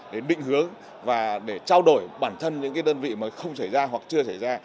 để định hướng và để trao đổi bản thân những đơn vị mà không xảy ra hoặc chưa xảy ra